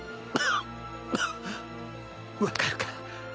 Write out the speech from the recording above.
分かるか？